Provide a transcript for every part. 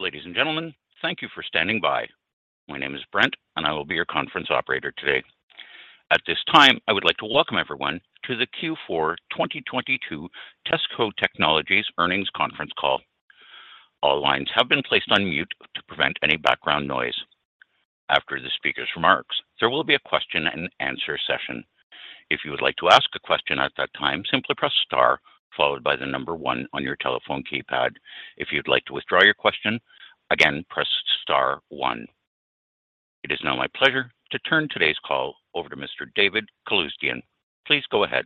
Ladies and gentlemen, thank you for standing by. My name is Brent, and I will be your conference operator today. At this time, I would like to welcome everyone to the Q4 2022 TESSCO Technologies Earnings Conference Call. All lines have been placed on mute to prevent any background noise. After the speaker's remarks, there will be a question and answer session. If you would like to ask a question at that time, simply press star followed by the number one on your telephone keypad. If you'd like to withdraw your question, again, press star one. It is now my pleasure to turn today's call over to Mr. David Calusdian. Please go ahead.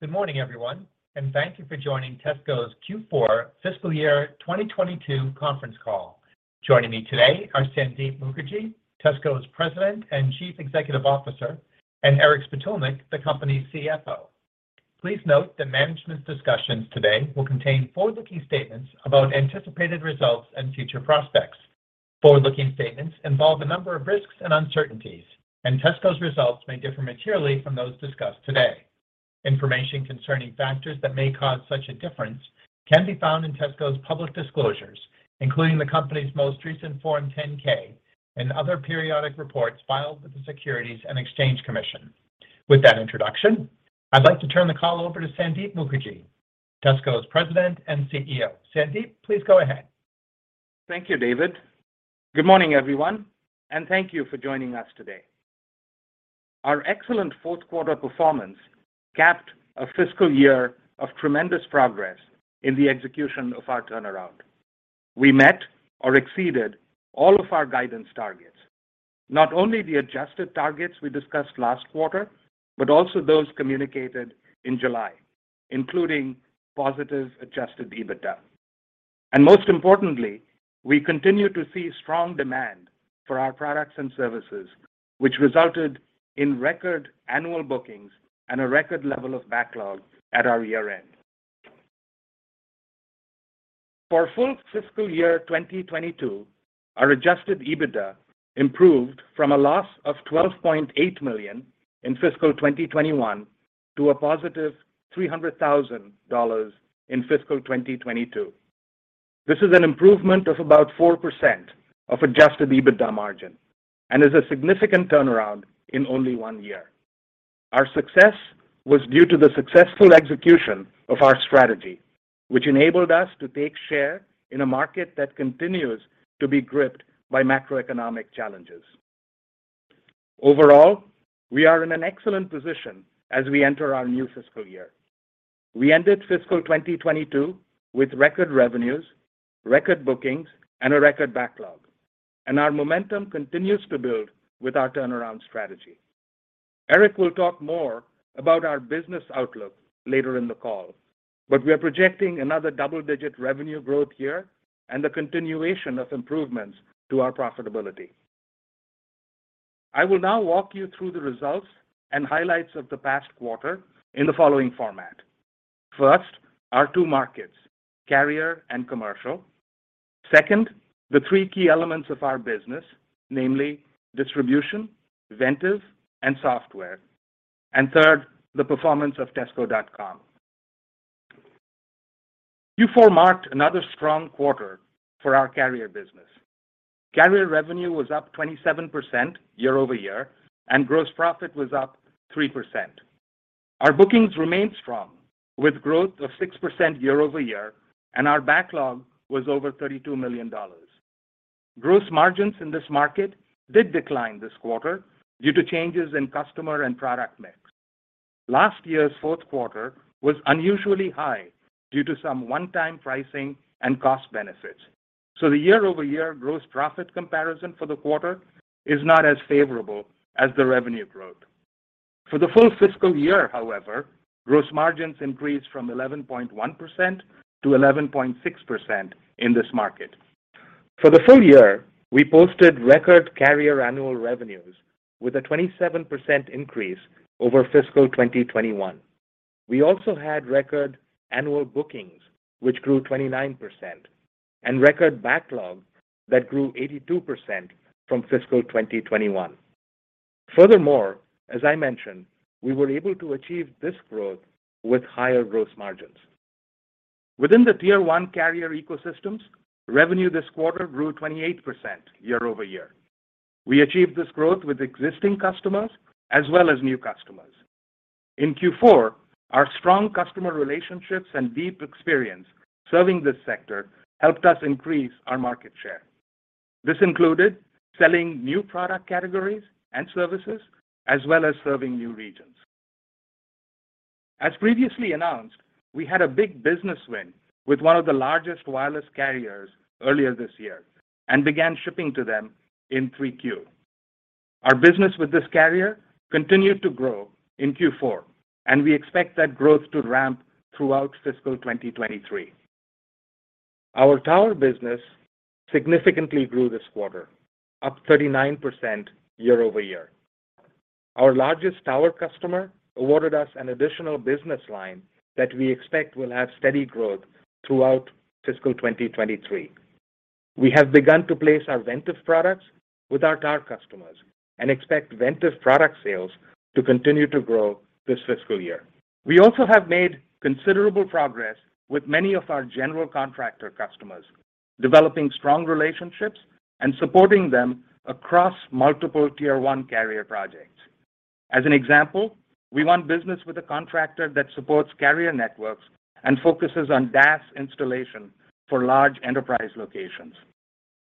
Good morning, everyone, and thank you for joining TESSCO's Q4 fiscal year 2022 conference call. Joining me today are Sandip Mukerjee, TESSCO's President and Chief Executive Officer, and Aric Spitulnik, the company's CFO. Please note that management's discussions today will contain forward-looking statements about anticipated results and future prospects. Forward-looking statements involve a number of risks and uncertainties, and TESSCO's results may differ materially from those discussed today. Information concerning factors that may cause such a difference can be found in TESSCO's public disclosures, including the company's most recent Form 10-K and other periodic reports filed with the Securities and Exchange Commission. With that introduction, I'd like to turn the call over to Sandip Mukerjee, TESSCO's President and CEO. Sandip, please go ahead. Thank you, David. Good morning, everyone, and thank you for joining us today. Our excellent fourth quarter performance capped a fiscal year of tremendous progress in the execution of our turnaround. We met or exceeded all of our guidance targets, not only the adjusted targets we discussed last quarter, but also those communicated in July, including positive adjusted EBITDA. Most importantly, we continue to see strong demand for our products and services, which resulted in record annual bookings and a record level of backlog at our year-end. For full fiscal year 2022, our adjusted EBITDA improved from a loss of $12.8 million in fiscal 2021 to a positive $300,000 in fiscal 2022. This is an improvement of about 4% of adjusted EBITDA margin and is a significant turnaround in only one year. Our success was due to the successful execution of our strategy, which enabled us to take share in a market that continues to be gripped by macroeconomic challenges. Overall, we are in an excellent position as we enter our new fiscal year. We ended fiscal 2022 with record revenues, record bookings, and a record backlog, and our momentum continues to build with our turnaround strategy. Aric will talk more about our business outlook later in the call, but we are projecting another double-digit revenue growth year and the continuation of improvements to our profitability. I will now walk you through the results and highlights of the past quarter in the following format. First, our two markets, carrier and commercial. Second, the three key elements of our business, namely distribution, Ventev, and software. Third, the performance of TESSCO.com. Q4 marked another strong quarter for our carrier business. Carrier revenue was up 27% year-over-year, and gross profit was up 3%. Our bookings remained strong with growth of 6% year-over-year, and our backlog was over $32 million. Gross margins in this market did decline this quarter due to changes in customer and product mix. Last year's fourth quarter was unusually high due to some one-time pricing and cost benefits. The year-over-year gross profit comparison for the quarter is not as favorable as the revenue growth. For the full fiscal year, however, gross margins increased from 11.1% to 11.6% in this market. For the full year, we posted record carrier annual revenues with a 27% increase over fiscal 2021. We also had record annual bookings, which grew 29%, and record backlog that grew 82% from fiscal 2021. Furthermore, as I mentioned, we were able to achieve this growth with higher gross margins. Within the tier one carrier ecosystems, revenue this quarter grew 28% year-over-year. We achieved this growth with existing customers as well as new customers. In Q4, our strong customer relationships and deep experience serving this sector helped us increase our market share. This included selling new product categories and services as well as serving new regions. As previously announced, we had a big business win with one of the largest wireless carriers earlier this year and began shipping to them in 3Q. Our business with this carrier continued to grow in Q4, and we expect that growth to ramp throughout fiscal 2023. Our tower business significantly grew this quarter, up 39% year-over-year. Our largest tower customer awarded us an additional business line that we expect will have steady growth throughout fiscal 2023. We have begun to place our Ventev products with our tower customers and expect Ventev product sales to continue to grow this fiscal year. We also have made considerable progress with many of our general contractor customers, developing strong relationships and supporting them across multiple Tier 1 carrier projects. As an example, we won business with a contractor that supports carrier networks and focuses on DAS installation for large enterprise locations.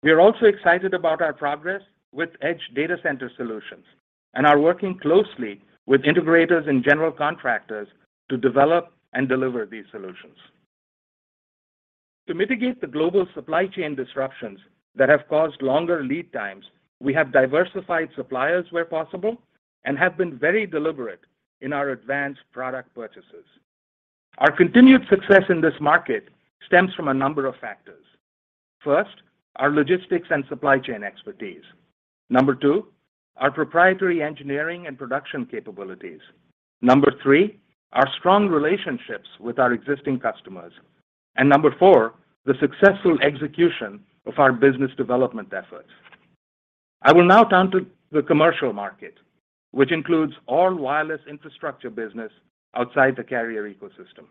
We are also excited about our progress with edge data center solutions and are working closely with integrators and general contractors to develop and deliver these solutions. To mitigate the global supply chain disruptions that have caused longer lead times, we have diversified suppliers where possible and have been very deliberate in our advanced product purchases. Our continued success in this market stems from a number of factors. First, our logistics and supply chain expertise. Number two, our proprietary engineering and production capabilities. Number three, our strong relationships with our existing customers. Number four, the successful execution of our business development efforts. I will now turn to the commercial market, which includes all wireless infrastructure business outside the carrier ecosystem.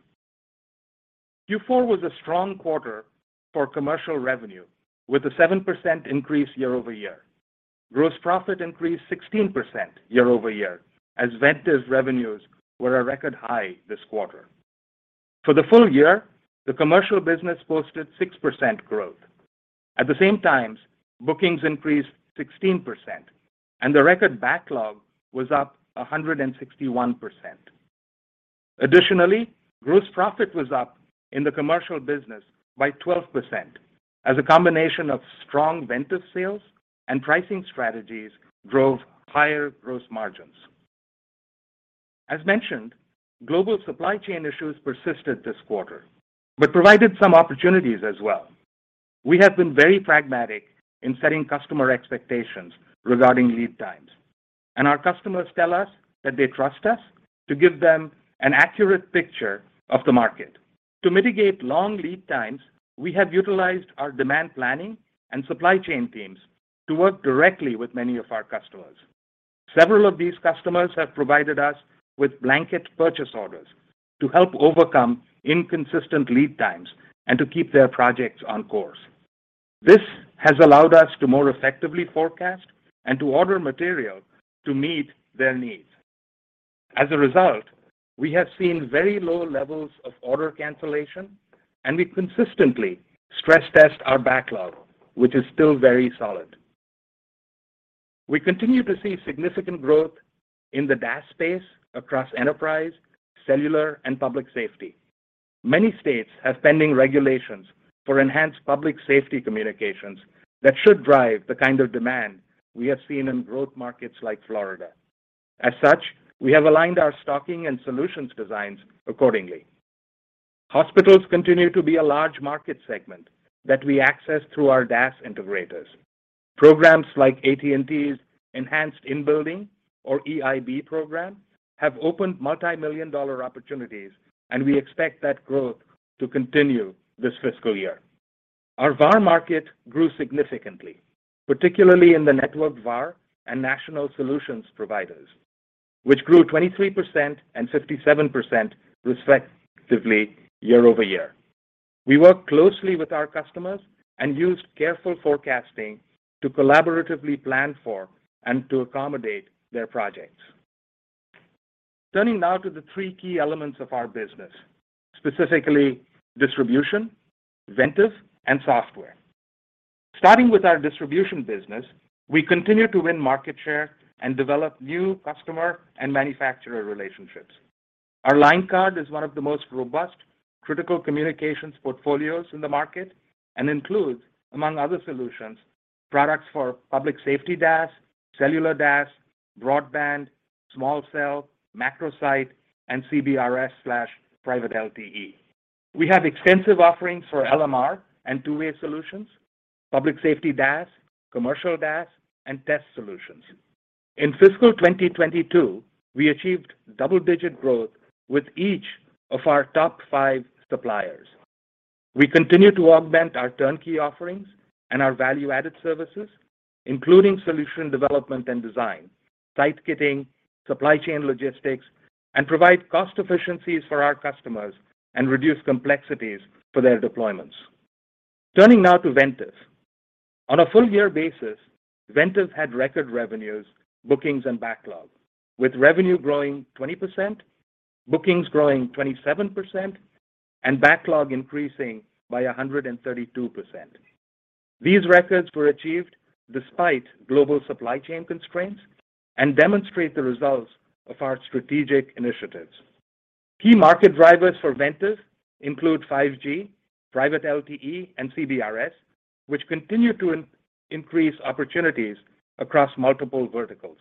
Q4 was a strong quarter for commercial revenue, with a 7% increase year-over-year. Gross profit increased 16% year-over-year as Ventev's revenues were a record high this quarter. For the full year, the commercial business posted 6% growth. At the same time, bookings increased 16%, and the record backlog was up 161%. Additionally, gross profit was up in the commercial business by 12% as a combination of strong Ventev sales and pricing strategies drove higher gross margins. As mentioned, global supply chain issues persisted this quarter but provided some opportunities as well. We have been very pragmatic in setting customer expectations regarding lead times, and our customers tell us that they trust us to give them an accurate picture of the market. To mitigate long lead times, we have utilized our demand planning and supply chain teams to work directly with many of our customers. Several of these customers have provided us with blanket purchase orders to help overcome inconsistent lead times and to keep their projects on course. This has allowed us to more effectively forecast and to order material to meet their needs. As a result, we have seen very low levels of order cancellation, and we consistently stress-test our backlog, which is still very solid. We continue to see significant growth in the DAS space across enterprise, cellular, and public safety. Many states have pending regulations for enhanced public safety communications that should drive the kind of demand we have seen in growth markets like Florida. As such, we have aligned our stocking and solutions designs accordingly. Hospitals continue to be a large market segment that we access through our DAS integrators. Programs like AT&T's Enhanced In Building, or EIB program, have opened multimillion-dollar opportunities, and we expect that growth to continue this fiscal year. Our VAR market grew significantly, particularly in the network VAR and national solutions providers, which grew 23% and 57%, respectively, year-over-year. We work closely with our customers and use careful forecasting to collaboratively plan for and to accommodate their projects. Turning now to the three key elements of our business, specifically distribution, Ventev, and software. Starting with our distribution business, we continue to win market share and develop new customer and manufacturer relationships. Our line card is one of the most robust critical communications portfolios in the market and includes, among other solutions, products for public safety DAS, cellular DAS, broadband, small cell, macro site, and CBRS/private LTE. We have extensive offerings for LMR and two-way solutions, public safety DAS, commercial DAS, and test solutions. In fiscal 2022, we achieved double-digit growth with each of our top five suppliers. We continue to augment our turnkey offerings and our value-added services, including solution development and design, site kitting, supply chain logistics, and provide cost efficiencies for our customers and reduce complexities for their deployments. Turning now to Ventev. On a full year basis, Ventev had record revenues, bookings, and backlog, with revenue growing 20%, bookings growing 27%, and backlog increasing by 132%. These records were achieved despite global supply chain constraints and demonstrate the results of our strategic initiatives. Key market drivers for Ventev include 5G, private LTE, and CBRS, which continue to increase opportunities across multiple verticals.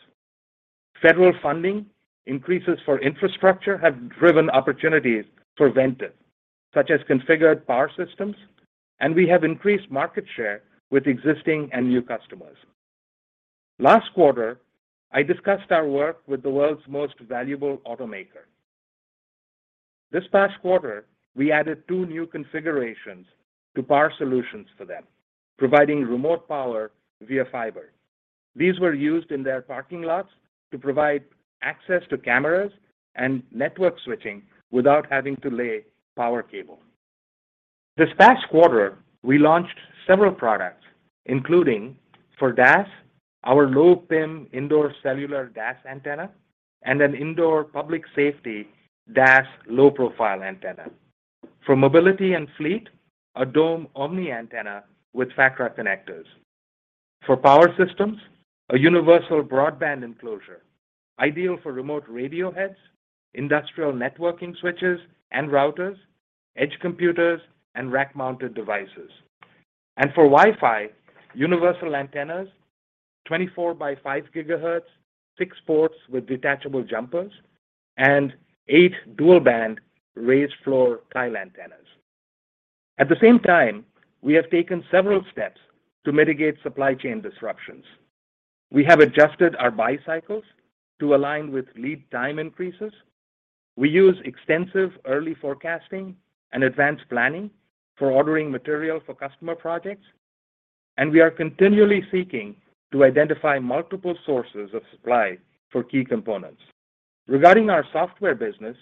Federal funding increases for infrastructure have driven opportunities for Ventev, such as configured power systems, and we have increased market share with existing and new customers. Last quarter, I discussed our work with the world's most valuable automaker. This past quarter, we added two new configurations to power solutions for them, providing remote power via fiber. These were used in their parking lots to provide access to cameras and network switching without having to lay power cable. This past quarter, we launched several products, including for DAS, our low PIM indoor cellular DAS antenna, and an indoor public safety DAS low profile antenna. For mobility and fleet, a dome omni antenna with factor connectors. For power systems, a universal broadband enclosure, ideal for remote radioheads, industrial networking switches and routers, edge computers, and rack-mounted devices. For Wi-Fi, universal antennas, 24 by 5 GHz, 6 ports with detachable jumpers, and 8 dual-band raised floor tile antennas. At the same time, we have taken several steps to mitigate supply chain disruptions. We have adjusted our buy cycles to align with lead time increases. We use extensive early forecasting and advanced planning for ordering material for customer projects, and we are continually seeking to identify multiple sources of supply for key components. Regarding our software business,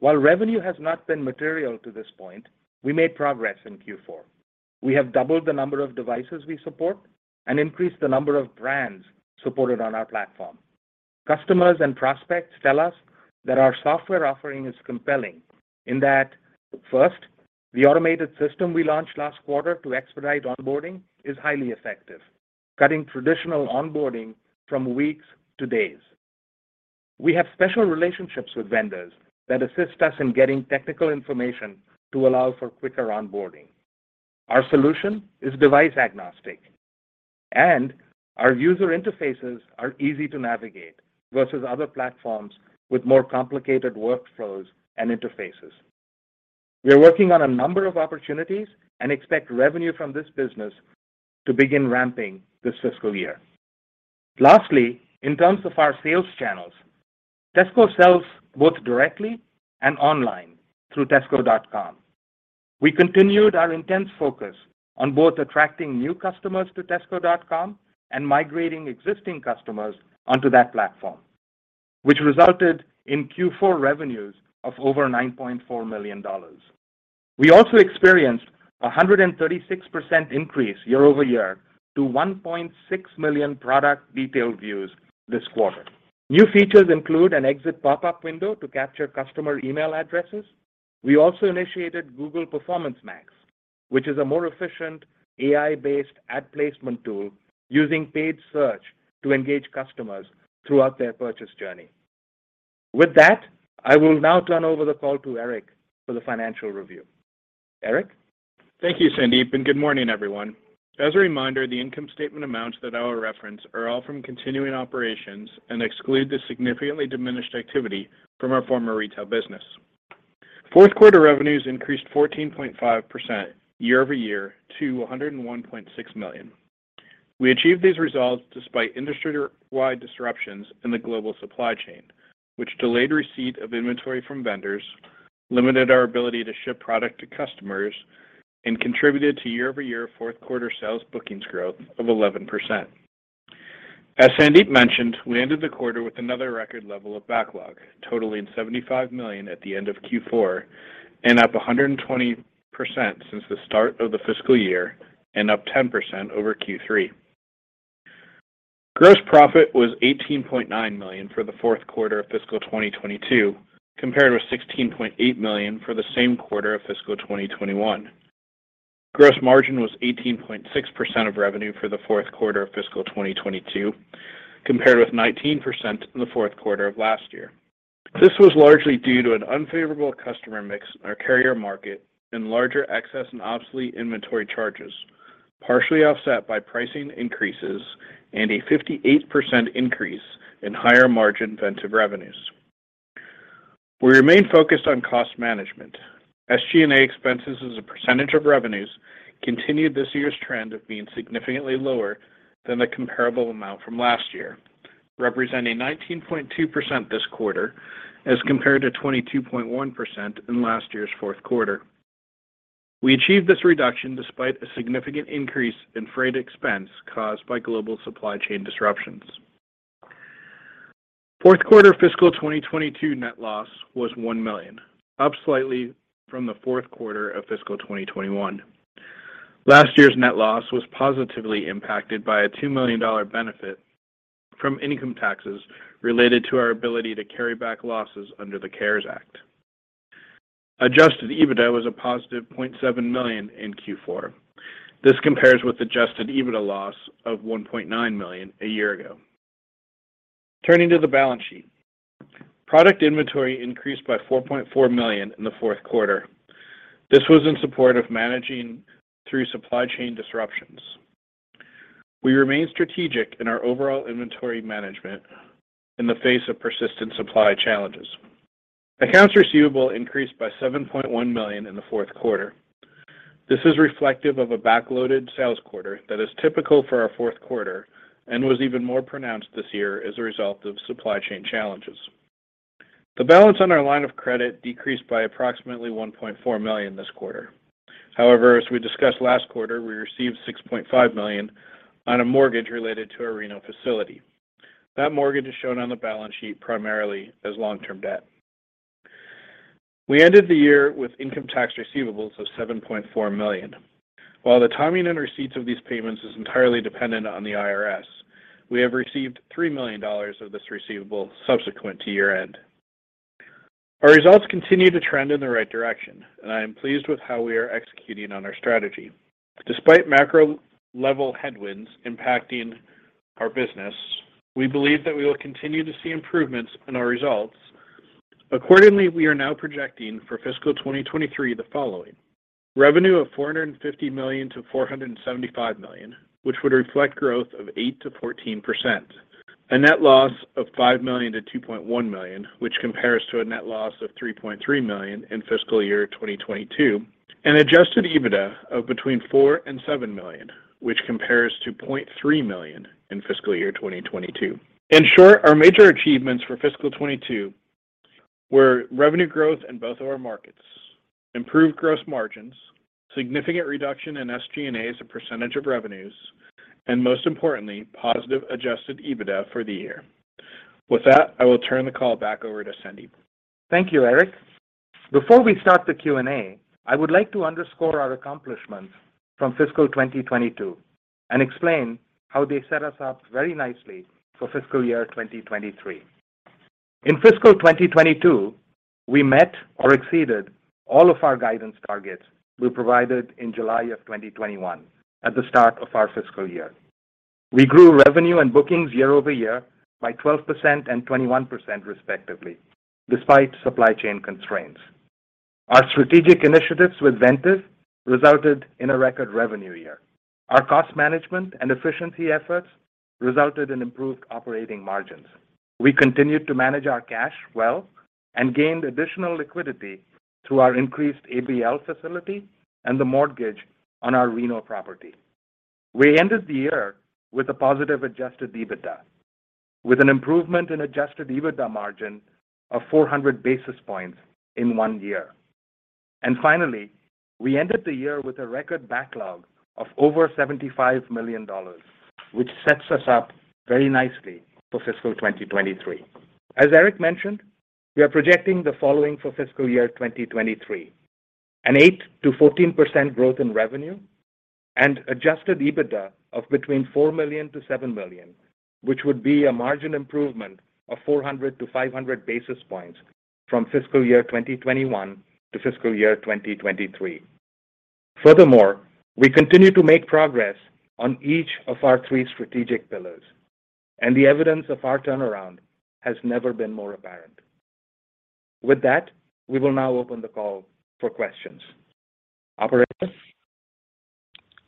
while revenue has not been material to this point, we made progress in Q4. We have doubled the number of devices we support and increased the number of brands supported on our platform. Customers and prospects tell us that our software offering is compelling in that, first, the automated system we launched last quarter to expedite onboarding is highly effective, cutting traditional onboarding from weeks to days. We have special relationships with vendors that assist us in getting technical information to allow for quicker onboarding. Our solution is device agnostic, and our user interfaces are easy to navigate versus other platforms with more complicated workflows and interfaces. We are working on a number of opportunities and expect revenue from this business to begin ramping this fiscal year. Lastly, in terms of our sales channels, TESSCO sells both directly and online through tessco.com. We continued our intense focus on both attracting new customers to tessco.com and migrating existing customers onto that platform, which resulted in Q4 revenues of over $9.4 million. We also experienced a 136% increase year-over-year to 1.6 million product detail views this quarter. New features include an exit pop-up window to capture customer email addresses. We also initiated Google Performance Max, which is a more efficient AI-based ad placement tool using paid search to engage customers throughout their purchase journey. With that, I will now turn over the call to Aric for the financial review. Aric? Thank you, Sandip, and good morning, everyone. As a reminder, the income statement amounts that I will reference are all from continuing operations and exclude the significantly diminished activity from our former retail business. Fourth quarter revenues increased 14.5% year-over-year to $101.6 million. We achieved these results despite industry-wide disruptions in the global supply chain, which delayed receipt of inventory from vendors, limited our ability to ship product to customers, and contributed to year-over-year fourth quarter sales bookings growth of 11%. As Sandip mentioned, we ended the quarter with another record level of backlog, totaling $75 million at the end of Q4 and up 120% since the start of the fiscal year and up 10% over Q3. Gross profit was $18.9 million for the fourth quarter of fiscal 2022, compared with $16.8 million for the same quarter of fiscal 2021. Gross margin was 18.6% of revenue for the fourth quarter of fiscal 2022, compared with 19% in the fourth quarter of last year. This was largely due to an unfavorable customer mix in our carrier market and larger excess and obsolete inventory charges, partially offset by pricing increases and a 58% increase in higher margin Ventev revenues. We remain focused on cost management. SG&A expenses as a percentage of revenues continued this year's trend of being significantly lower than the comparable amount from last year, representing 19.2% this quarter as compared to 22.1% in last year's fourth quarter. We achieved this reduction despite a significant increase in freight expense caused by global supply chain disruptions. Fourth quarter fiscal 2022 net loss was $1 million, up slightly from the fourth quarter of fiscal 2021. Last year's net loss was positively impacted by a $2 million benefit from income taxes related to our ability to carry back losses under the CARES Act. Adjusted EBITDA was a positive $0.7 million in Q4. This compares with adjusted EBITDA loss of $1.9 million a year ago. Turning to the balance sheet. Product inventory increased by $4.4 million in the fourth quarter. This was in support of managing through supply chain disruptions. We remain strategic in our overall inventory management in the face of persistent supply challenges. Accounts receivable increased by $7.1 million in the fourth quarter. This is reflective of a backloaded sales quarter that is typical for our fourth quarter and was even more pronounced this year as a result of supply chain challenges. The balance on our line of credit decreased by approximately $1.4 million this quarter. However, as we discussed last quarter, we received $6.5 million on a mortgage related to our Reno facility. That mortgage is shown on the balance sheet primarily as long-term debt. We ended the year with income tax receivables of $7.4 million. While the timing and receipts of these payments is entirely dependent on the IRS, we have received $3 million of this receivable subsequent to year-end. Our results continue to trend in the right direction, and I am pleased with how we are executing on our strategy. Despite macro-level headwinds impacting our business, we believe that we will continue to see improvements in our results. Accordingly, we are now projecting for fiscal 2023 the following. Revenue of $450 million-$475 million, which would reflect growth of 8%-14%. A net loss of $5 million-$2.1 million, which compares to a net loss of $3.3 million in fiscal year 2022. An adjusted EBITDA of between $4 million and $7 million, which compares to $0.3 million in fiscal year 2022. In short, our major achievements for fiscal 2022 were revenue growth in both of our markets, improved gross margins, significant reduction in SG&A as a percentage of revenues, and most importantly, positive adjusted EBITDA for the year. With that, I will turn the call back over to Sandip. Thank you, Aric. Before we start the Q&A, I would like to underscore our accomplishments from fiscal 2022 and explain how they set us up very nicely for fiscal year 2023. In fiscal 2022, we met or exceeded all of our guidance targets we provided in July of 2021 at the start of our fiscal year. We grew revenue and bookings year-over-year by 12% and 21% respectively, despite supply chain constraints. Our strategic initiatives with Ventev resulted in a record revenue year. Our cost management and efficiency efforts resulted in improved operating margins. We continued to manage our cash well and gained additional liquidity through our increased ABL facility and the mortgage on our Reno property. We ended the year with a positive adjusted EBITDA, with an improvement in adjusted EBITDA margin of 400 basis points in one year. Finally, we ended the year with a record backlog of over $75 million, which sets us up very nicely for fiscal 2023. As Aric mentioned, we are projecting the following for fiscal year 2023: 8%-14% growth in revenue and adjusted EBITDA of between $4 million to $7 million, which would be a margin improvement of 400-500 basis points from fiscal year 2021 to fiscal year 2023. Furthermore, we continue to make progress on each of our three strategic pillars, and the evidence of our turnaround has never been more apparent. With that, we will now open the call for questions. Operator?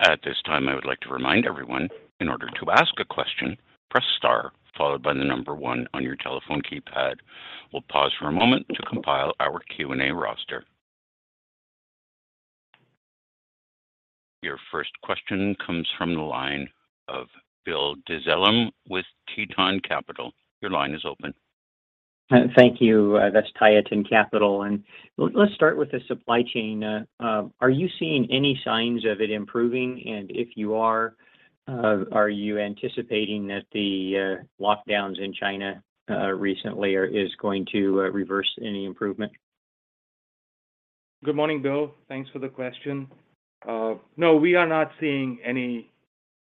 At this time, I would like to remind everyone in order to ask a question, press star followed by the number one on your telephone keypad. We'll pause for a moment to compile our Q&A roster. Your first question comes from the line of Bill Dezellem with Tieton Capital. Your line is open. Thank you. That's Tieton Capital. Let's start with the supply chain. Are you seeing any signs of it improving? If you are you anticipating that the lockdowns in China recently are going to reverse any improvement? Good morning, Bill. Thanks for the question. No, we are not seeing any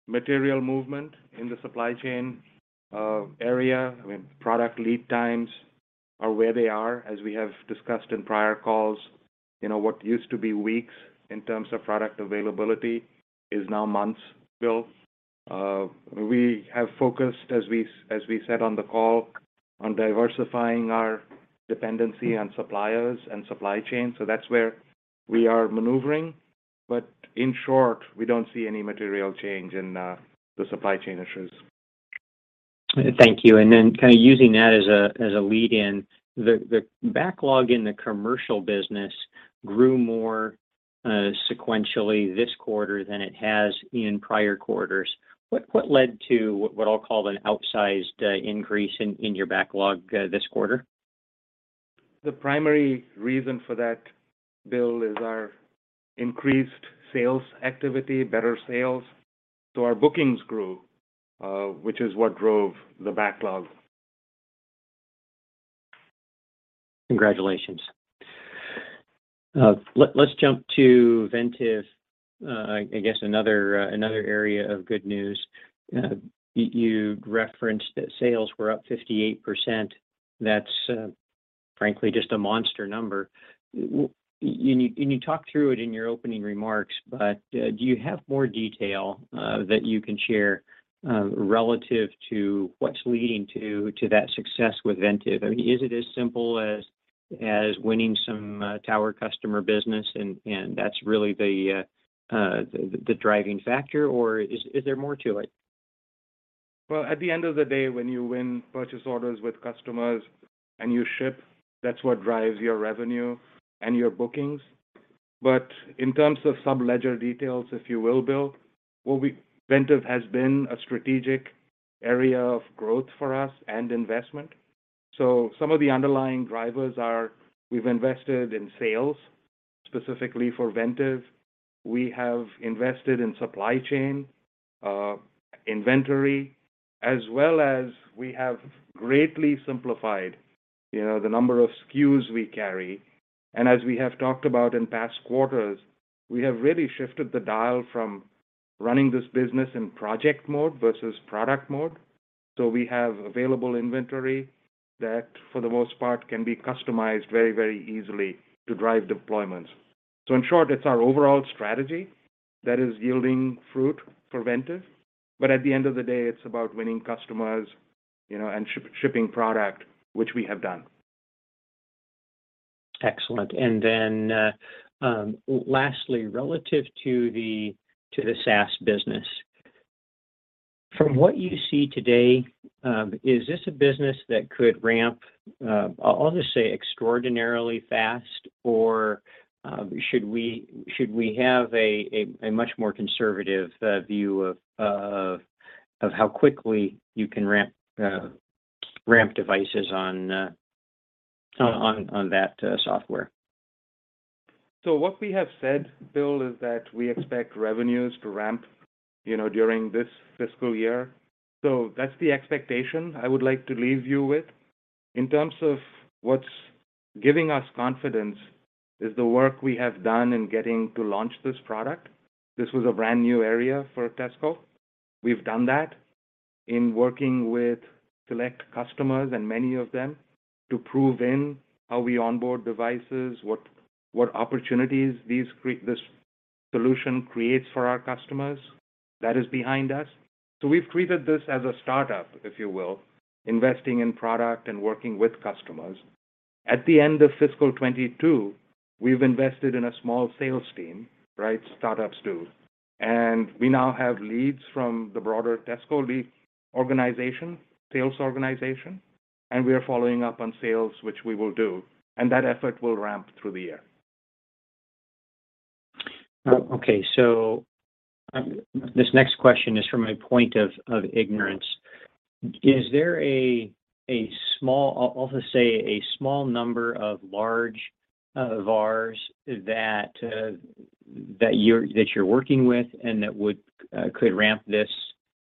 material movement in the supply chain area. I mean, product lead times are where they are, as we have discussed in prior calls. You know, what used to be weeks in terms of product availability is now months, Bill. We have focused, as we said on the call, on diversifying our dependency on suppliers and supply chain. So that's where we are maneuvering. In short, we don't see any material change in the supply chain issues. Thank you. Kinda using that as a lead in, the backlog in the commercial business grew more sequentially this quarter than it has in prior quarters. What led to what I'll call an outsized increase in your backlog this quarter? The primary reason for that, Bill, is our increased sales activity, better sales. Our bookings grew, which is what drove the backlog. Congratulations. Let's jump to Ventev. I guess another area of good news. You referenced that sales were up 58%. That's frankly just a monster number. And you talked through it in your opening remarks, but do you have more detail that you can share relative to what's leading to that success with Ventev? I mean, is it as simple as winning some tower customer business and that's really the driving factor, or is there more to it? Well, at the end of the day, when you win purchase orders with customers and you ship, that's what drives your revenue and your bookings. In terms of some ledger details, if you will, Bill, Ventev has been a strategic area of growth for us and investment. Some of the underlying drivers are we've invested in sales, specifically for Ventev. We have invested in supply chain, inventory, as well as we have greatly simplified, you know, the number of SKUs we carry. As we have talked about in past quarters, we have really shifted the dial from running this business in project mode versus product mode. We have available inventory that, for the most part, can be customized very, very easily to drive deployments. In short, it's our overall strategy that is yielding fruit for Ventev. At the end of the day, it's about winning customers, you know, and shipping product, which we have done. Excellent. Lastly, relative to the SaaS business, from what you see today, is this a business that could ramp, I'll just say extraordinarily fast, or should we have a much more conservative view of how quickly you can ramp devices on that software? What we have said, Bill, is that we expect revenues to ramp, you know, during this fiscal year. That's the expectation I would like to leave you with. In terms of what's giving us confidence is the work we have done in getting to launch this product. This was a brand-new area for TESSCO. We've done that in working with select customers and many of them to prove in how we onboard devices, what opportunities these create, this solution creates for our customers. That is behind us. We've treated this as a startup, if you will, investing in product and working with customers. At the end of fiscal 2022, we've invested in a small sales team, right? Startups do. We now have leads from the broader TESSCO-led organization, sales organization, and we are following up on sales, which we will do, and that effort will ramp through the year. This next question is from a point of ignorance. Is there a small... I'll just say a small number of large VARs that you're working with and that could ramp this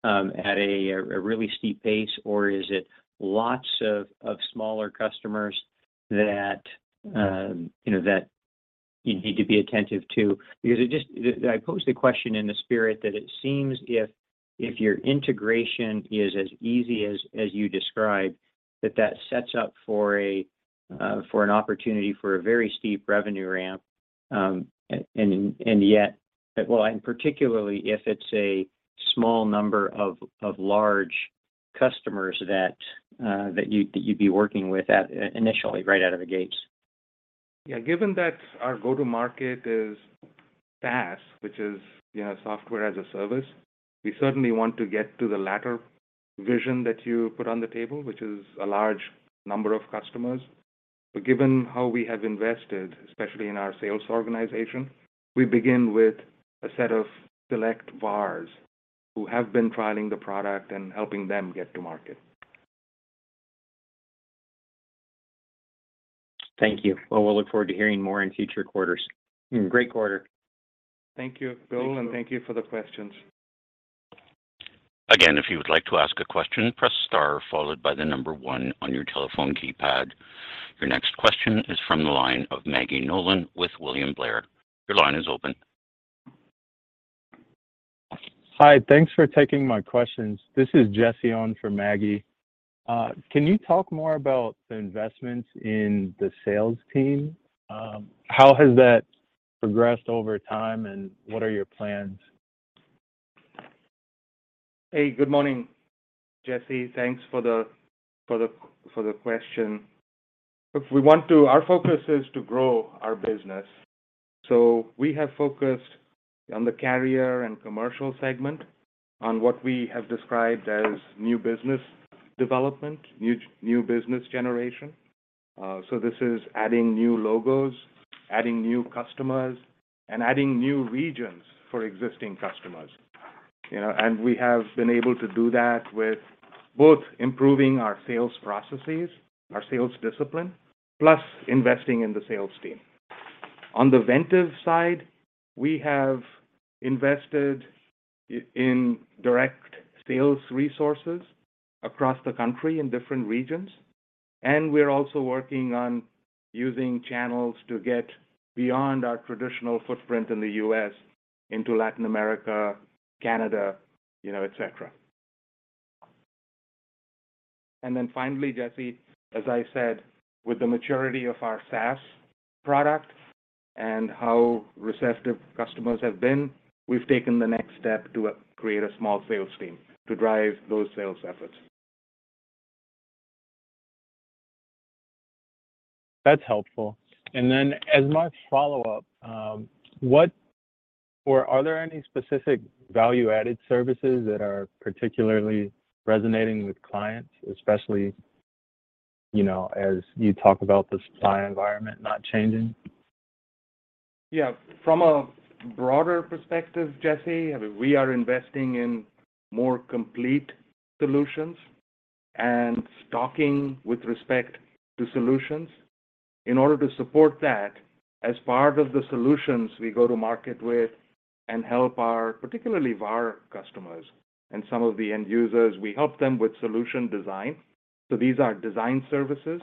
at a really steep pace, or is it lots of smaller customers that you know you need to be attentive to? Because it just, I pose the question in the spirit that it seems if your integration is as easy as you describe, that sets up for an opportunity for a very steep revenue ramp. And yet, well, and particularly if it's a small number of large customers that you'd be working with initially right out of the gates. Yeah. Given that our go-to-market is SaaS, which is, you know, software as a service, we certainly want to get to the latter vision that you put on the table, which is a large number of customers. Given how we have invested, especially in our sales organization, we begin with a set of select VARs who have been trialing the product and helping them get to market. Thank you. Well, we'll look forward to hearing more in future quarters. Great quarter. Thank you, Bill, and thank you for the questions. Again, if you would like to ask a question, press star followed by the number one on your telephone keypad. Your next question is from the line of Maggie Nolan with William Blair. Your line is open. Hi. Thanks for taking my questions. This is Jesse on for Maggie. Can you talk more about the investments in the sales team? How has that progressed over time, and what are your plans? Hey, good morning, Jesse. Thanks for the question. Look, our focus is to grow our business. We have focused on the carrier and commercial segment on what we have described as new business development, new business generation. This is adding new logos, adding new customers, and adding new regions for existing customers. You know, we have been able to do that with both improving our sales processes, our sales discipline, plus investing in the sales team. On the Ventev side, we have invested in direct sales resources across the country in different regions, and we're also working on using channels to get beyond our traditional footprint in the US into Latin America, Canada, you know, et cetera. Finally, Jesse, as I said, with the maturity of our SaaS product and how receptive customers have been, we've taken the next step to create a small sales team to drive those sales efforts. That's helpful. Then as my follow-up, what or are there any specific value-added services that are particularly resonating with clients, especially, you know, as you talk about the supply environment not changing? Yeah. From a broader perspective, Jesse, we are investing in more complete solutions and stocking with respect to solutions. In order to support that, as part of the solutions we go to market with and help our, particularly our customers and some of the end users, we help them with solution design. These are design services.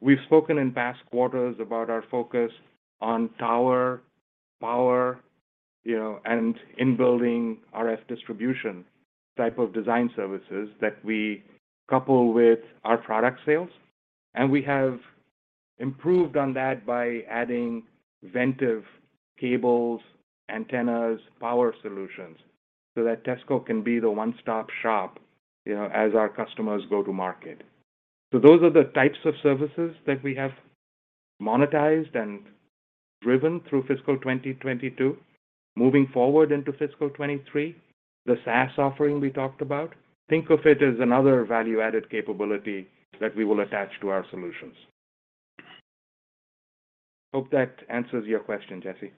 We've spoken in past quarters about our focus on tower, power, you know, and in building RF distribution type of design services that we couple with our product sales. We have improved on that by adding Ventev cables, antennas, power solutions, so that TESSCO can be the one-stop shop, you know, as our customers go to market. Those are the types of services that we have monetized and driven through fiscal 2022. Moving forward into fiscal 2023, the SaaS offering we talked about, think of it as another value-added capability that we will attach to our solutions. Hope that answers your question, Jesse.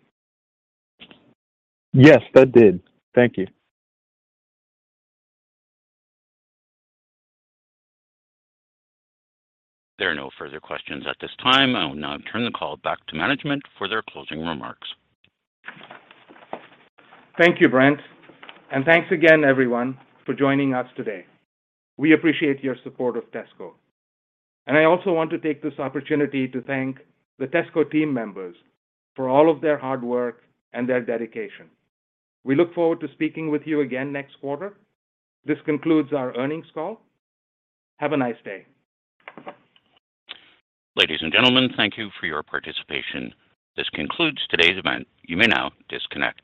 Yes, that did. Thank you. There are no further questions at this time. I will now turn the call back to management for their closing remarks. Thank you, Brent. Thanks again, everyone, for joining us today. We appreciate your support of TESSCO. I also want to take this opportunity to thank the TESSCO team members for all of their hard work and their dedication. We look forward to speaking with you again next quarter. This concludes our earnings call. Have a nice day. Ladies and gentlemen, thank you for your participation. This concludes today's event. You may now disconnect.